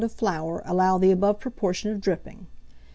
of flour allow the above proportion of dripping.